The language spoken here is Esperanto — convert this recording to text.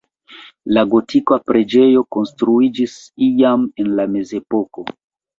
La gotika preĝejo konstruiĝis iam en la mezepoko.